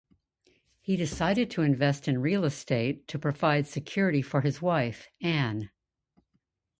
He decided to invest in real estate to provide security for his wife, Ann.